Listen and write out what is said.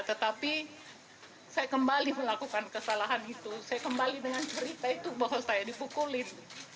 tetapi saya kembali melakukan kesalahan itu saya kembali dengan berita itu bahwa saya dipukulin